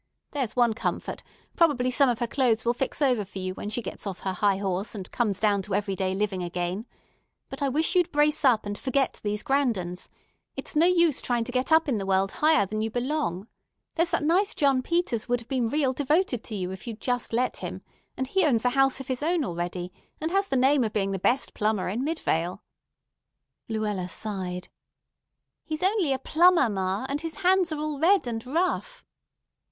There's one comfort; probably some of her clothes will fix over for you when she gets off her high horse and comes down to every day living again. But I wish you'd brace up and forget these Grandons. It's no use trying to get up in the world higher than you belong. There's that nice John Peters would have been real devoted to you if you'd just let him; and he owns a house of his own already, and has the name of being the best plumber in Midvale." Luella sighed. "He's only a plumber, ma, and his hands are all red and rough."